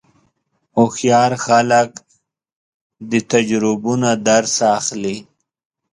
هوښیار خلک د تجربو نه درس اخلي.